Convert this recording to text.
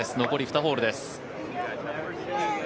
残り２ホールです。